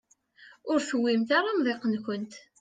Ur tewwimt ara amḍiq-nkent.